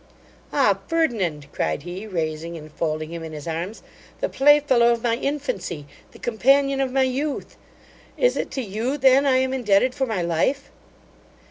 'Ah, Ferdinand! (cried he, raising and folding him in his arms) the playfellow of my infancy the companion of my youth! Is it to you then I am indebted for my life?